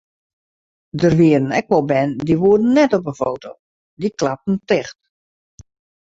Der wienen ek wol bern dy woenen net op de foto, dy klapten ticht.